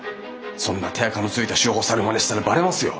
そんな手あかのついた手法を猿マネしたらバレますよ。